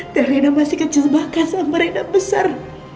dan reina masih kecil bahkan sama reina besar